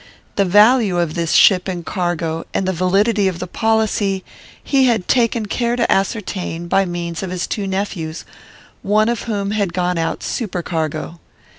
The value of this ship and cargo, and the validity of the policy, he had taken care to ascertain by means of his two nephews, one of whom had gone out supercargo.